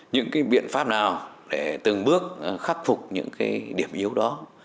những biện pháp nào để từng bước khắc phục những điểm yếu đó